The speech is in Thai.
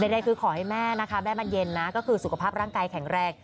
ใดคือขอให้แม่นะคะแม่มันเย็นนะก็คือสุขภาพร่างกายแข็งแรง